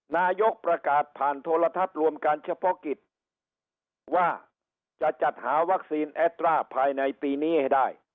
นายกประกาศผ่านโทรทัศน์รวมการเฉพาะกิจว่าจะจัดหาวัคซีนแอดร่าภายในปีนี้ให้ได้